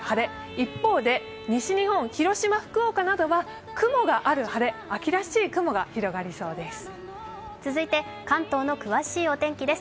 一方、西日本、広島、福岡などは雲がある晴れ、秋らしい雲が広がりそうです。